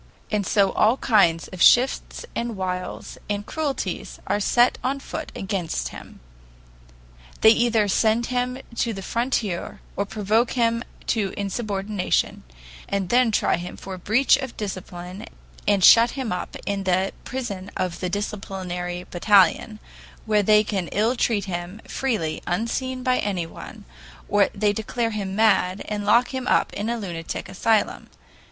And so all kinds of shifts and wiles and cruelties are set on foot against him. They either send him to the frontier or provoke him to insubordination, and then try him for breach of discipline and shut him up in the prison of the disciplinary battalion, where they can ill treat him freely unseen by anyone, or they declare him mad, and lock him up in a lunatic asylum.